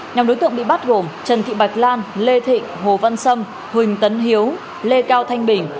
nhóm đối tượng bị bắt gồm trần thị bạch lan lê thị hồ văn sâm huỳnh tấn hiếu lê cao thanh bình